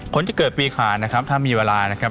คนที่เกิดปีขาดนะครับถ้ามีเวลานะครับ